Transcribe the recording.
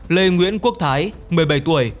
lê nguyễn quốc thái một mươi bảy tuổi